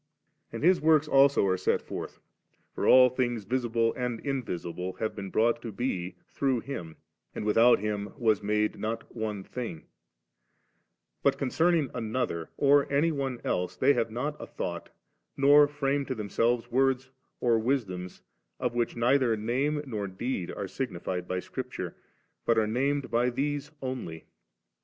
And His works also are set forth ; for all things, visible and invisible, have been brought to be through Him, and 'without Him was made not one thing^' But concerning another or any one else they have not a thought, nor firsune to themselves words or wisdoms, of which neither name nor deed are signified by Scripture, but are named by these only.